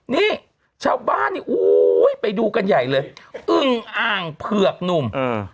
นี่ชาวบ้านไปดูกันใหญ่เลยอึ้งอ่างเผือกหนุ่ม